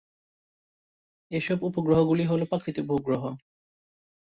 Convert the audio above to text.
এসব উপগ্রহ গুলি হলো প্রাকৃতিক উপগ্রহ।